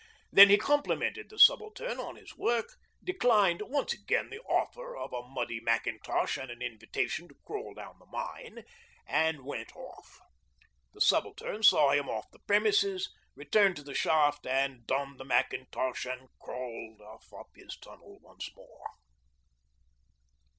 Then he complimented the Subaltern on his work, declined once again the offer of a muddy mackintosh and an invitation to crawl down the mine, and went off. The Subaltern saw him off the premises, returned to the shaft and donned the mackintosh, and crawled off up his tunnel once more.